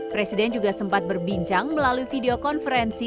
presiden juga sempat berbincang melalui video konferensi